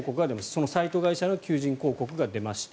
そのサイト会社の求人広告が出ました。